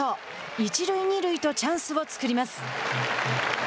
一塁二塁とチャンスを作ります。